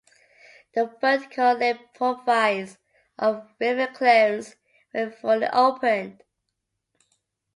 The vertical lift provides of river clearance when fully opened.